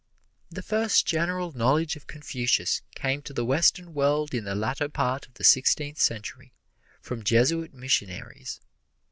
The first general knowledge of Confucius came to the Western world in the latter part of the Sixteenth Century from Jesuit missionaries.